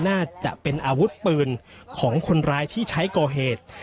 น่าจะเป็นอาวุธปืนของคนร้ายที่ใช้ก่อเหตุ